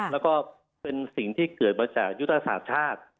แล้วก็เป็นสิ่งที่เกิดมาจากยุทธศาสตร์ชาติ